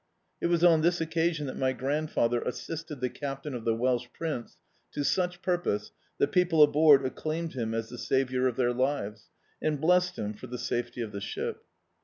It was on this occasion that my grand father assisted the captain of the Welsh Prince to such purpose that people aboard acclaimed him as the saviour of their lives, and blessed him for the safety of the ship.